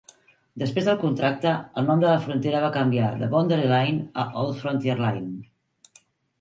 Després del contracte, el nom de la frontera va canviar de Boundary Line a Old Frontier Line.